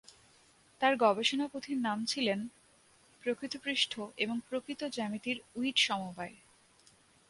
তাঁর গবেষণা-পুথির নাম ছিলেন "প্রকৃত পৃষ্ঠ এবং প্রকৃত জ্যামিতির উইট সমবায়"।